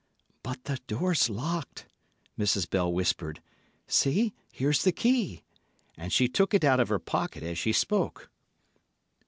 "But the door's locked," Mrs. Bell whispered. "See, here's the key!" And she took it out of her pocket as she spoke.